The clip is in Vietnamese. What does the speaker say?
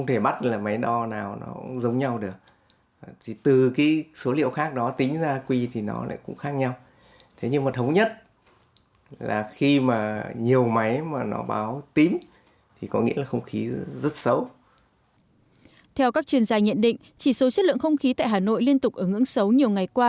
theo các chuyên gia nhận định chỉ số chất lượng không khí tại hà nội liên tục ứng ứng xấu nhiều ngày qua